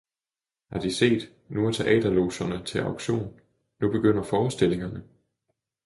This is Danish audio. Har De set, nu er teaterlogerne til auktion, nu begynder forestillingerne?